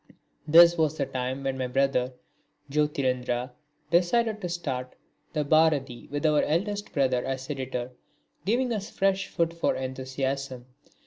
This was the time when my brother Jyotirindra decided to start the Bharati with our eldest brother as editor, giving us fresh food for enthusiasm.